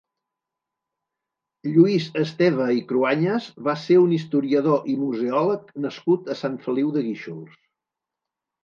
Lluís Esteva i Cruañas va ser un historiador i museòleg nascut a Sant Feliu de Guíxols.